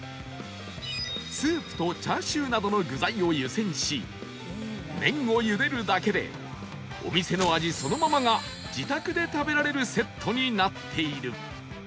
スープとチャーシューなどの具材を湯煎し麺を茹でるだけでお店の味そのままが自宅で食べられるセットになっている